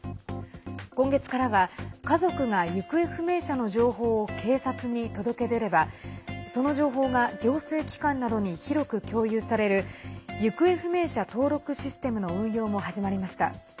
今月からは家族が行方不明者の情報を警察に届け出ればその情報が行政機関などに広く共有される行方不明者登録システムの運用も始まりました。